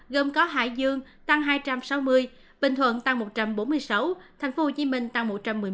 gồm có hải dương tăng hai trăm sáu mươi bình thuận tăng một trăm bốn mươi sáu tp hcm tăng một trăm một mươi một